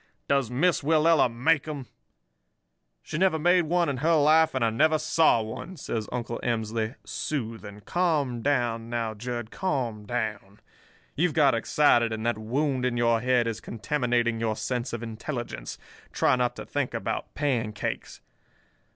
Does Miss Willella make 'em?' "'She never made one in her life and I never saw one,' says Uncle Emsley, soothing. 'Calm down now, Jud—calm down. You've got excited, and that wound in your head is contaminating your sense of intelligence. Try not to think about pancakes.